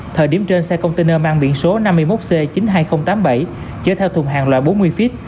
thời điểm trên xe container mang biển số năm mươi một c chín mươi hai nghìn tám mươi bảy chở theo thùng hàng loại bốn mươi feet